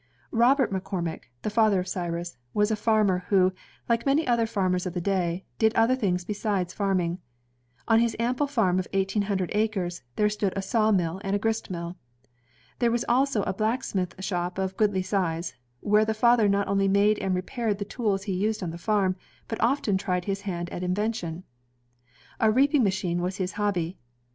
Robert McCormick, the father of Cyrus, was a farmer, who, like many other farmers of the day, did other things besides farming. On his ample farm of 1800 acres, there stood a sawmill and a gristmill. There was also a black smith shop of goodly size, where the father not only made and repaired the tools used on the farm, but often tried his hand at invention. A reaping machine was his hobby.